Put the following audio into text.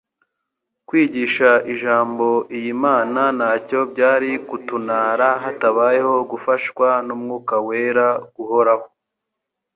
Kwigisha Ijambo iy'Imana ntacyo byari ktunara hatabayeho gufashwa n'Umwuka wera guhoraho.